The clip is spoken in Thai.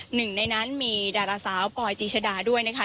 หนึ่งในนั้นมีดาราสาวปอยตีชดาด้วยนะคะ